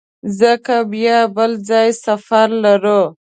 ځکه بیا بل ځای سفر لرو.